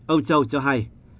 ông châu cho hay